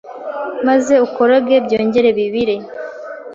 maze ukoroge byongere bibire,